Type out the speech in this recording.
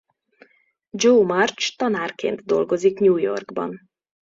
Jo March tanárként dolgozik New Yorkban.